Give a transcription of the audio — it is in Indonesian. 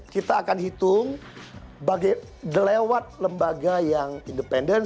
kita akan hitung lewat lembaga yang independen